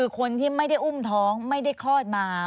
ควิทยาลัยเชียร์สวัสดีครับ